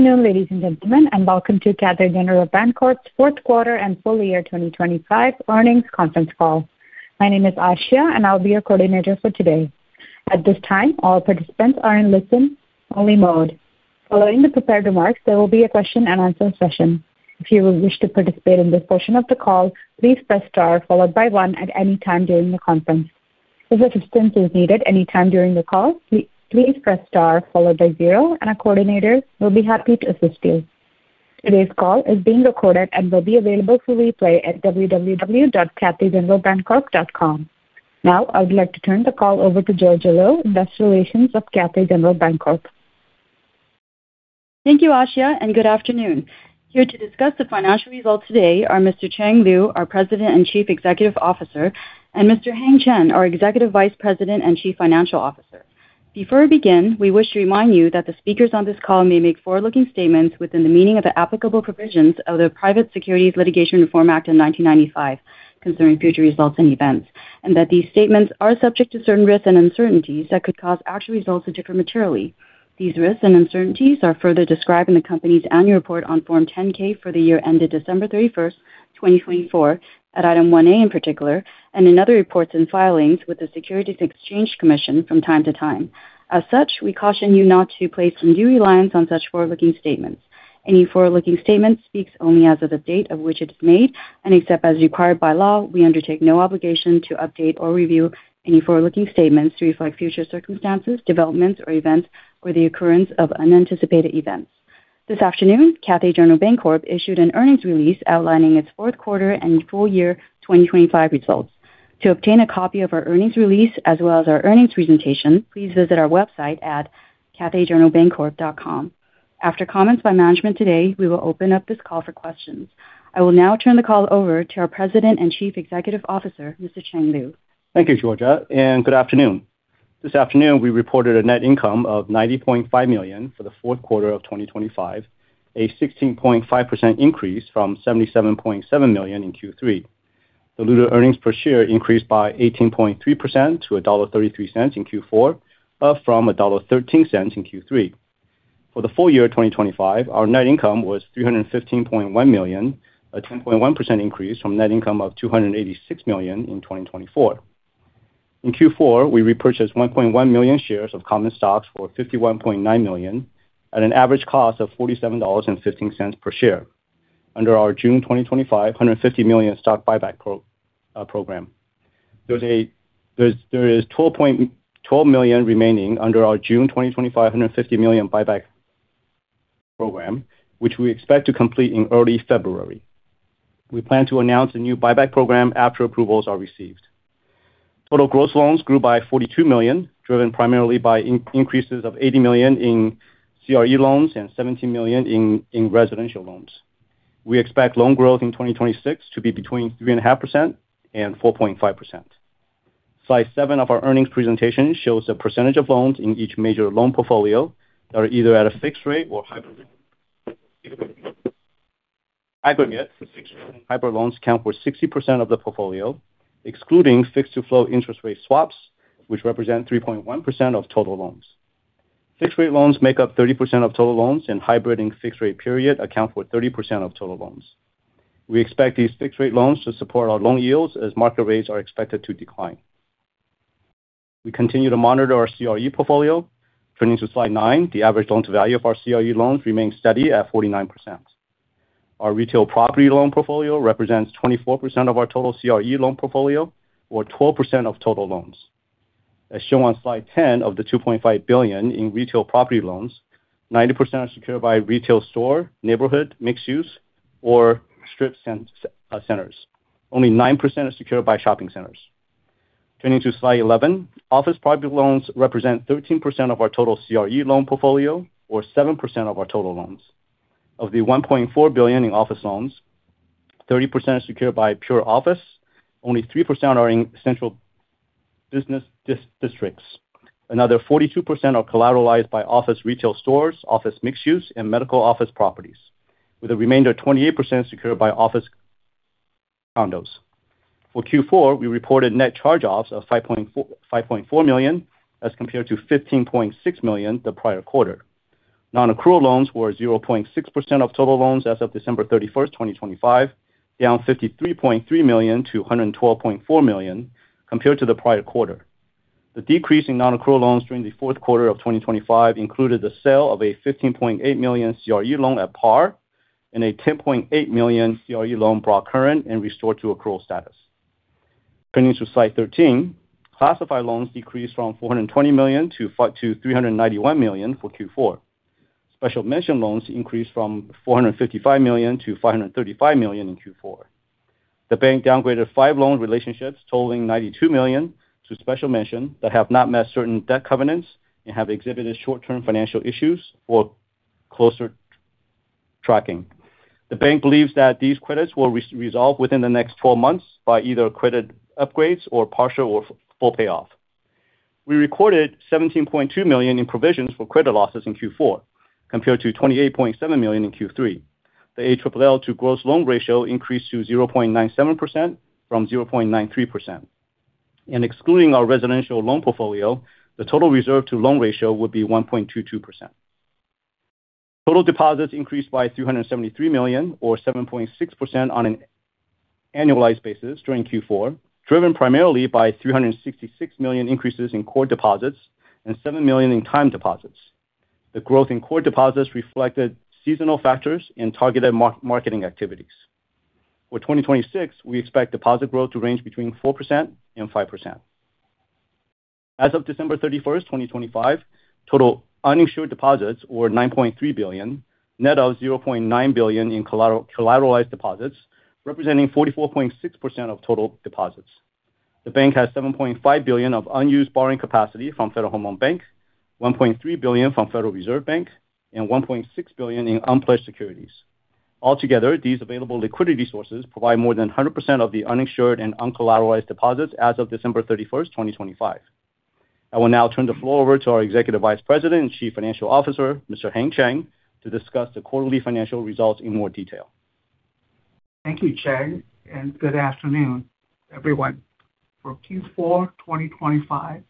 Good afternoon, ladies and gentlemen, and welcome to Cathay General Bancorp's Fourth Quarter and Full Year 2025 Earnings Conference Call. My name is Ashia, and I'll be your coordinator for today. At this time, all participants are in listen-only mode. Following the prepared remarks, there will be a question-and-answer session. If you wish to participate in this portion of the call, please press star followed by one at any time during the conference. If assistance is needed anytime during the call, please press star followed by zero, and a coordinator will be happy to assist you. Today's call is being recorded and will be available for replay at www.cathaygeneralbancorp.com. Now, I would like to turn the call over to Georgia Lo, Investor Relations of Cathay General Bancorp. Thank you, Ashia, and good afternoon. Here to discuss the financial results today are Mr. Chang Liu, our President and Chief Executive Officer, and Mr. Heng Chen, our Executive Vice President and Chief Financial Officer. Before we begin, we wish to remind you that the speakers on this call may make forward-looking statements within the meaning of the applicable provisions of the Private Securities Litigation Reform Act of 1995 concerning future results and events, and that these statements are subject to certain risks and uncertainties that could cause actual results to differ materially. These risks and uncertainties are further described in the company's annual report on Form 10-K for the year ended December 31st, 2024, at item 1A in particular, and in other reports and filings with the Securities and Exchange Commission from time to time. As such, we caution you not to place undue reliance on such forward-looking statements. Any forward-looking statement speaks only as of the date of which it is made, and except as required by law, we undertake no obligation to update or review any forward-looking statements to reflect future circumstances, developments, or events, or the occurrence of unanticipated events. This afternoon, Cathay General Bancorp issued an earnings release outlining its Fourth Quarter and Full Year 2025 results. To obtain a copy of our earnings release as well as our earnings presentation, please visit our website at cathaygeneralbancorp.com. After comments by management today, we will open up this call for questions. I will now turn the call over to our President and Chief Executive Officer, Mr. Chang Liu. Thank you, Georgia, and good afternoon. This afternoon, we reported a net income of $90.5 million for the fourth quarter of 2025, a 16.5% increase from $77.7 million in Q3. The diluted earnings per share increased by 18.3% to $1.33 in Q4, up from $1.13 in Q3. For the full year 2025, our net income was $315.1 million, a 10.1% increase from net income of $286 million in 2024. In Q4, we repurchased 1.1 million shares of common stocks for $51.9 million at an average cost of $47.15 per share under our June 2025 $150 million stock buyback program. There is $12 million remaining under our June 2025 $150 million buyback program, which we expect to complete in early February. We plan to announce a new buyback program after approvals are received. Total gross loans grew by $42 million, driven primarily by increases of $80 million in CRE loans and $17 million in residential loans. We expect loan growth in 2026 to be between 3.5% and 4.5%. Slide 7 of our earnings presentation shows the percentage of loans in each major loan portfolio that are either at a fixed rate or hybrid aggregate. Hybrid loans account for 60% of the portfolio, excluding fixed-to-floating interest rate swaps, which represent 3.1% of total loans. Fixed-rate loans make up 30% of total loans, and hybrid and fixed-rate period account for 30% of total loans. We expect these fixed-rate loans to support our loan yields as market rates are expected to decline. We continue to monitor our CRE portfolio. Turning to slide 9, the average loan-to-value of our CRE loans remains steady at 49%. Our retail property loan portfolio represents 24% of our total CRE loan portfolio or 12% of total loans. As shown on slide 10 of the $2.5 billion in retail property loans, 90% are secured by retail store, neighborhood, mixed-use, or strip centers. Only 9% are secured by shopping centers. Turning to slide 11, office property loans represent 13% of our total CRE loan portfolio or 7% of our total loans. Of the $1.4 billion in office loans, 30% are secured by pure office. Only 3% are in central business districts. Another 42% are collateralized by office retail stores, office mixed-use, and medical office properties, with the remainder 28% secured by office condos. For Q4, we reported net charge-offs of $5.4 million as compared to $15.6 million the prior quarter. Non-accrual loans were 0.6% of total loans as of December 31st, 2025, down $53.3 million to $112.4 million compared to the prior quarter. The decrease in non-accrual loans during the Fourth Quarter of 2025 included the sale of a $15.8 million CRE loan at par and a $10.8 million CRE loan brought current and restored to accrual status. Turning to slide 13, classified loans decreased from $420 million to $391 million for Q4. Special mention loans increased from $455 million to $535 million in Q4. The bank downgraded five loan relationships totaling $92 million to special mention that have not met certain debt covenants and have exhibited short-term financial issues for closer tracking. The bank believes that these credits will resolve within the next 12 months by either credit upgrades or partial or full payoff. We recorded $17.2 million in provisions for credit losses in Q4 compared to $28.7 million in Q3. The ALLL to gross loan ratio increased to 0.97% from 0.93%, and excluding our residential loan portfolio, the total reserve-to-loan ratio would be 1.22%. Total deposits increased by $373 million or 7.6% on an annualized basis during Q4, driven primarily by $366 million increases in core deposits and $7 million in time deposits. The growth in core deposits reflected seasonal factors and targeted marketing activities. For 2026, we expect deposit growth to range between 4% and 5%. As of December 31st, 2025, total uninsured deposits were $9.3 billion, net of $0.9 billion in collateralized deposits, representing 44.6% of total deposits. The bank has $7.5 billion of unused borrowing capacity from Federal Home Loan Bank, $1.3 billion from Federal Reserve Bank, and $1.6 billion in unpledged securities. Altogether, these available liquidity sources provide more than 100% of the uninsured and uncollateralized deposits as of December 31st, 2025. I will now turn the floor over to our Executive Vice President and Chief Financial Officer, Mr. Heng Chen, to discuss the quarterly financial results in more detail. Thank you, Chang, and good afternoon, everyone. For Q4, 2025,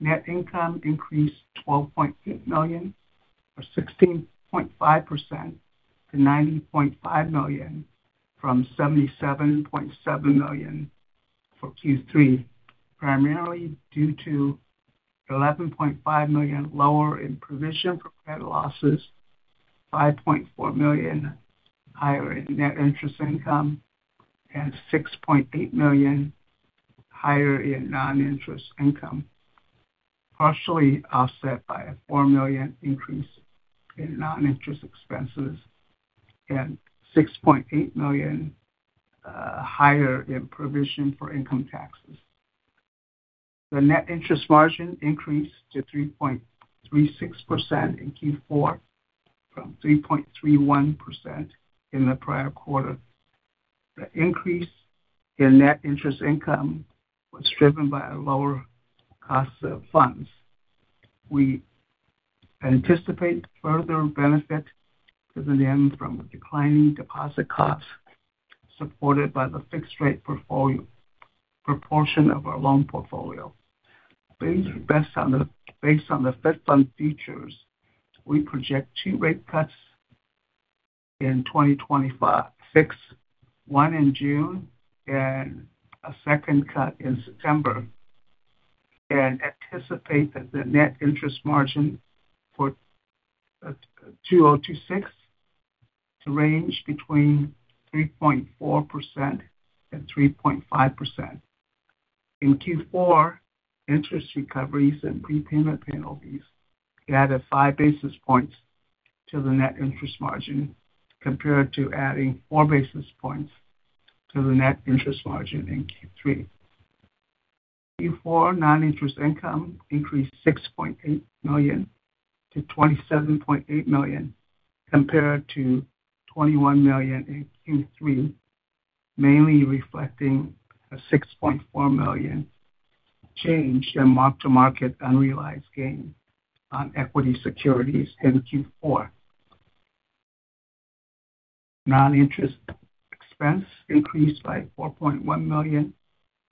net income increased $12.8 million or 16.5% to $90.5 million from $77.7 million for Q3, primarily due to $11.5 million lower in provision for credit losses, $5.4 million higher in net interest income, and $6.8 million higher in non-interest income, partially offset by a $4 million increase in non-interest expenses and $6.8 million higher in provision for income taxes. The net interest margin increased to 3.36% in Q4 from 3.31% in the prior quarter. The increase in net interest income was driven by lower costs of funds. We anticipate further benefit to the NIM from declining deposit costs supported by the fixed-rate proportion of our loan portfolio. Based on the Fed Fund futures, we project two rate cuts in 2025: fixed one in June and a second cut in September, and anticipate that the net interest margin for 2026 to range between 3.4% and 3.5%. In Q4, interest recoveries and prepayment penalties added 5 basis points to the net interest margin compared to adding 4 basis points to the net interest margin in Q3. Q4 non-interest income increased $6.8 million to $27.8 million compared to $21 million in Q3, mainly reflecting a $6.4 million change in mark-to-market unrealized gain on equity securities in Q4. Non-interest expense increased by $4.1 million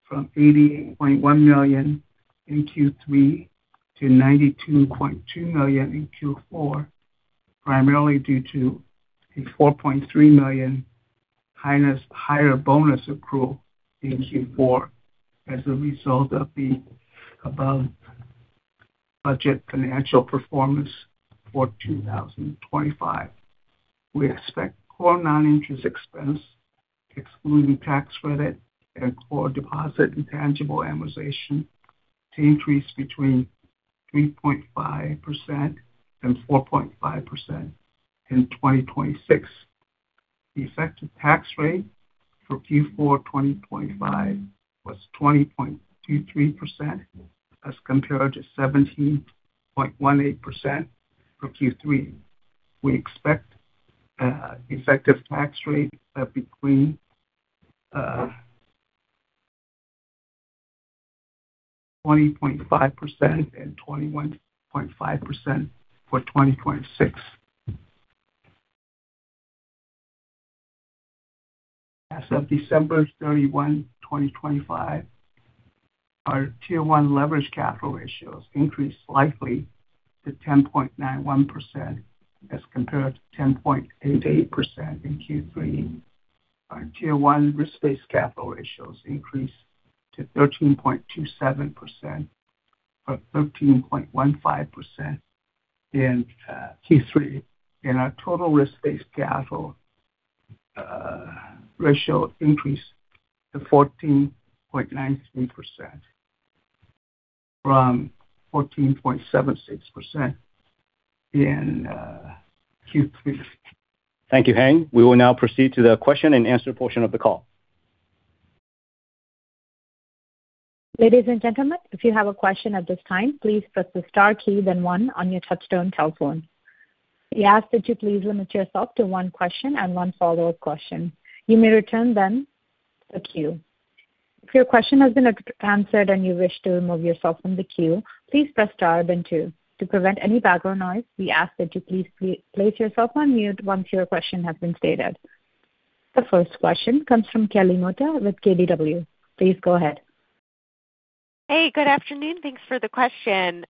from $88.1 million in Q3 to $92.2 million in Q4, primarily due to a $4.3 million higher bonus accrual in Q4 as a result of the above budget financial performance for 2025. We expect core non-interest expense, excluding tax credit and core deposit intangible amortization, to increase between 3.5% and 4.5% in 2026. The effective tax rate for Q4 2025 was 20.23% as compared to 17.18% for Q3. We expect effective tax rate between 20.5% and 21.5% for 2026. As of December 31, 2025, our Tier 1 leveraged capital ratios increased slightly to 10.91% as compared to 10.88% in Q3. Our Tier 1 risk-based capital ratios increased to 13.27% from 13.15% in Q3, and our total risk-based capital ratio increased to 14.93% from 14.76% in Q3. Thank you, Heng. We will now proceed to the question-and-answer portion of the call. Ladies and gentlemen, if you have a question at this time, please press the star key, then one on your touch-tone telephone. We ask that you please limit yourself to one question and one follow-up question. You may return then to queue. If your question has been answered and you wish to remove yourself from the queue, please press star then two. To prevent any background noise, we ask that you please place yourself on mute once your question has been stated. The first question comes from Kelly Motta with KBW. Please go ahead. Hey, good afternoon. Thanks for the question.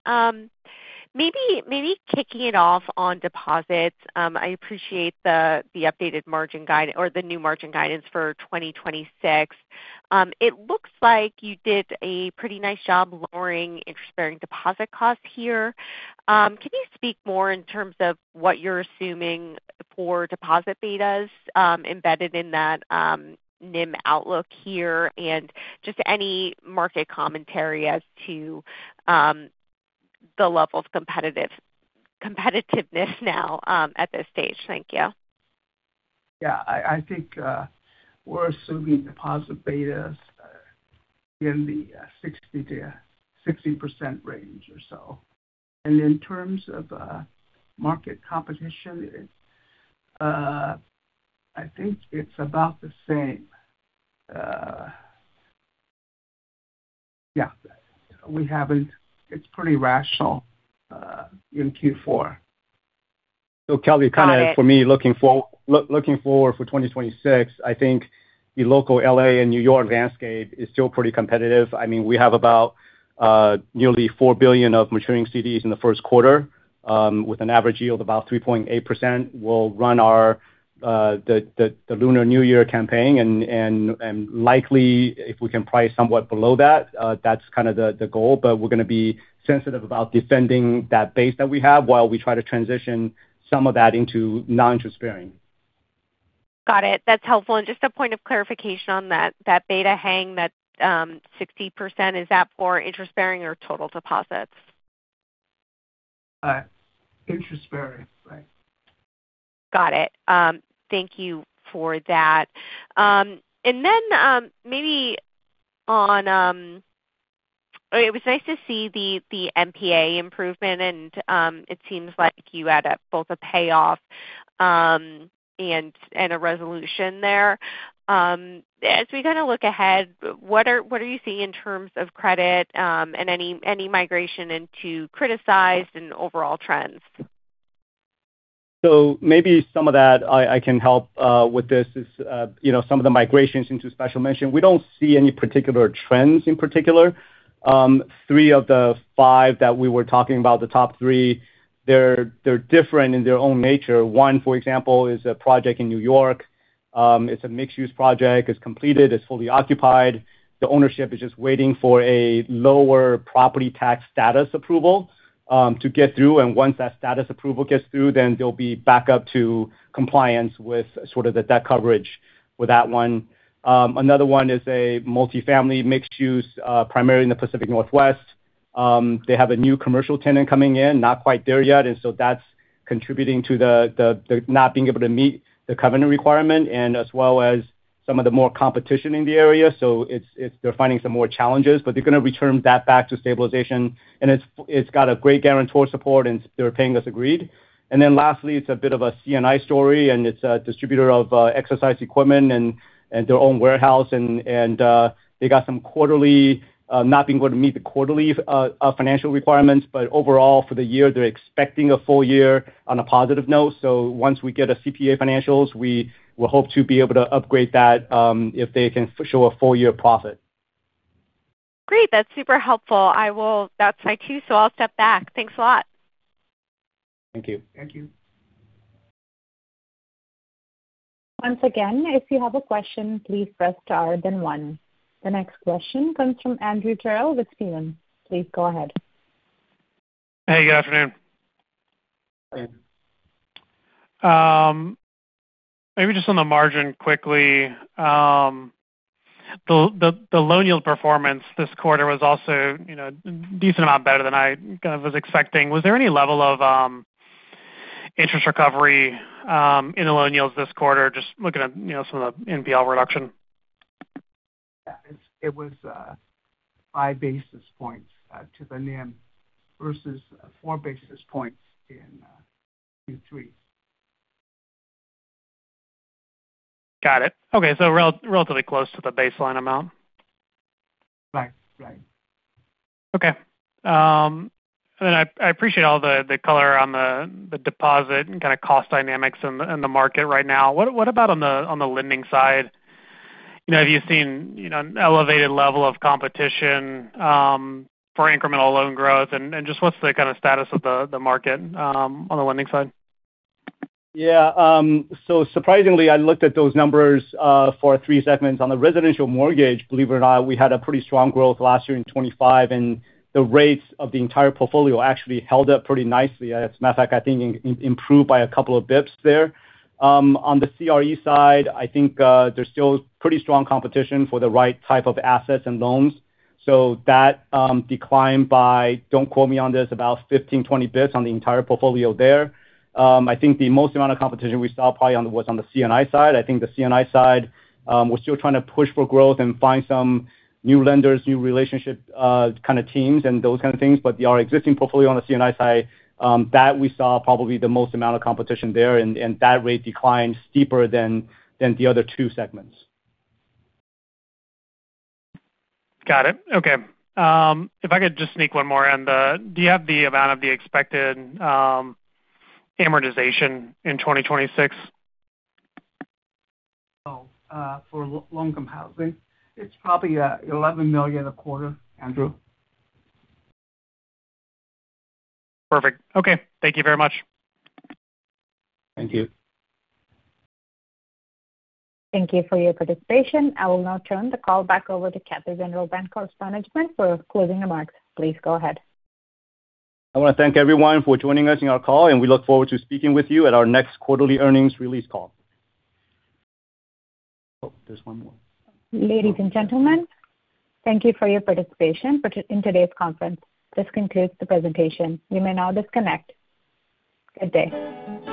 Maybe kicking it off on deposits. I appreciate the updated margin guide or the new margin guidance for 2026. It looks like you did a pretty nice job lowering interest-bearing deposit costs here. Can you speak more in terms of what you're assuming for deposit betas embedded in that NIM outlook here and just any market commentary as to the level of competitiveness now at this stage? Thank you. Yeah, I think we're assuming deposit betas in the 60% range or so, and in terms of market competition, I think it's about the same. Yeah, we haven't. It's pretty rational in Q4. Kelly, kind of for me, looking forward for 2026, I think the local LA and New York landscape is still pretty competitive. I mean, we have about nearly $4 billion of maturing CDs in the first quarter with an average yield of about 3.8%. We'll run the Lunar New Year campaign, and likely, if we can price somewhat below that, that's kind of the goal. But we're going to be sensitive about defending that base that we have while we try to transition some of that into non-interest-bearing. Got it. That's helpful. And just a point of clarification on that beta, Heng, that 60%, is that for interest-bearing or total deposits? Interest-bearing, right. Got it. Thank you for that. And then maybe on, it was nice to see the NPA improvement, and it seems like you had both a payoff and a resolution there. As we kind of look ahead, what are you seeing in terms of credit and any migration into criticized and overall trends? So maybe some of that I can help with. This is some of the migrations into special mention. We don't see any particular trends in particular. Three of the five that we were talking about, the top three, they're different in their own nature. One, for example, is a project in New York. It's a mixed-use project. It's completed. It's fully occupied. The ownership is just waiting for a lower property tax status approval to get through. And once that status approval gets through, then there'll be backup to compliance with sort of the debt coverage with that one. Another one is a multi-family mixed-use, primarily in the Pacific Northwest. They have a new commercial tenant coming in, not quite there yet. And so that's contributing to the not being able to meet the covenant requirement and as well as some of the more competition in the area. So they're finding some more challenges, but they're going to return that back to stabilization. And it's got a great guarantor support, and they're paying us agreed. And then lastly, it's a bit of a C&I story, and it's a distributor of exercise equipment and their own warehouse. And they got some quarterly, not being able to meet the quarterly financial requirements, but overall for the year, they're expecting a full year on a positive note. So once we get a CPA financials, we will hope to be able to upgrade that if they can show a full year profit. Great. That's super helpful. That's my cue, so I'll step back. Thanks a lot. Thank you. Thank you. Once again, if you have a question, please press star then one. The next question comes from Andrew Terrell with Stephens. Please go ahead. Hey, good afternoon. Maybe just on the margin quickly, the loan yield performance this quarter was also a decent amount better than I kind of was expecting. Was there any level of interest recovery in the loan yields this quarter, just looking at some of the NPL reduction? It was 5 basis points to the NIM versus 4 basis points in Q3. Got it. Okay. So relatively close to the baseline amount. Right. Right. Okay. And then I appreciate all the color on the deposit and kind of cost dynamics in the market right now. What about on the lending side? Have you seen an elevated level of competition for incremental loan growth? And just what's the kind of status of the market on the lending side? Yeah. So surprisingly, I looked at those numbers for three segments. On the residential mortgage, believe it or not, we had a pretty strong growth last year in 2025, and the rates of the entire portfolio actually held up pretty nicely. As a matter of fact, I think it improved by a couple of basis points there. On the CRE side, I think there's still pretty strong competition for the right type of assets and loans. So that declined by, don't quote me on this, about 15-20 basis points on the entire portfolio there. I think the most amount of competition we saw probably was on the C&I side. I think the C&I side, we're still trying to push for growth and find some new lenders, new relationship kind of teams, and those kind of things. But our existing portfolio on the C&I side, that we saw probably the most amount of competition there, and that rate declined steeper than the other two segments. Got it. Okay. If I could just sneak one more in, do you have the amount of the expected amortization in 2026? No. For low income housing, it's probably $11 million a quarter, Andrew. Perfect. Okay. Thank you very much. Thank you. Thank you for your participation. I will now turn the call back over to Cathay General Bancorp's management for closing remarks. Please go ahead. I want to thank everyone for joining us in our call, and we look forward to speaking with you at our next quarterly earnings release call. Oh, there's one more. Ladies and gentlemen, thank you for your participation in today's conference. This concludes the presentation. You may now disconnect. Good day.